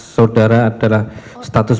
saudara adalah status